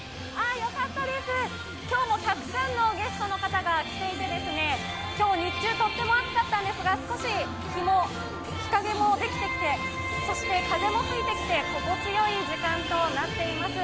今日もたくさんのゲストの方が来ていて、今日、日中とっても暑かったんですが、少し日陰もできてきてそして風も吹いてきて、心地よい時間となっています。